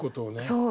そう。